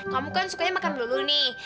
kamu kan sukanya makan blulu nih